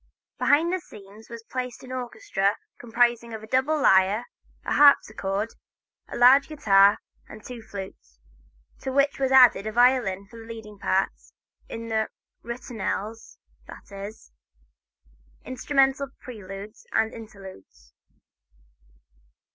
Behind the scenes was placed an orchestra comprising a double lyre, a harpsichord, a large guitar and two flutes, to which was added a violin for the leading part in the ritornels, that is, instrumental preludes and interludes.